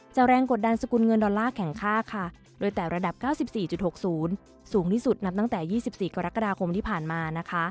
แรงกดดันสกุลเงินดอลลาร์แข่งค่าค่ะโดยแต่ระดับ๙๔๖๐สูงที่สุดนับตั้งแต่๒๔กรกฎาคมที่ผ่านมานะคะ